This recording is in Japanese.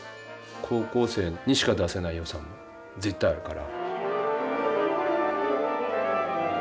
高校生にしか出せない良さ絶対あるから。